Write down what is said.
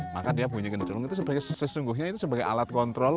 maka dia bunyikan celung itu sesungguhnya sebagai alat kontrol